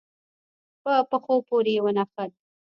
په پښو پورې يې ونښت.